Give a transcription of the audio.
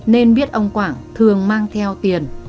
nên biết ông quảng thường mang theo tiền